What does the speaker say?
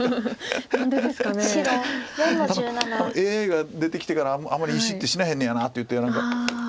「ＡＩが出てきてからあんまり石って死なへんねやな」っていって何か。